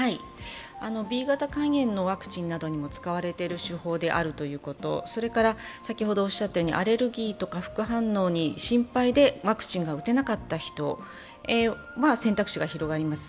Ｂ型肝炎のワクチンなどにも使われている手法だということそれからアレルギーとか副反応に心配でワクチンが打てなかった人、選択肢が広がります。